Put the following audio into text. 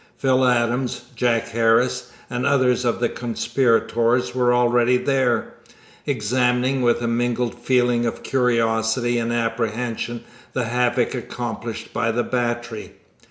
Phil Adams, Jack Harris, and others of the conspirators were already there, examining with a mingled feeling of curiosity and apprehension the havoc accomplished by the battery.